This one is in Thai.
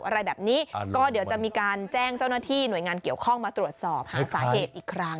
อะไรแบบนี้ก็เดี๋ยวจะมีการแจ้งเจ้าหน้าที่หน่วยงานเกี่ยวข้องมาตรวจสอบหาสาเหตุอีกครั้ง